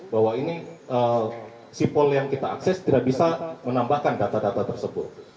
bahwa ini sipol yang kita akses tidak bisa menambahkan data data tersebut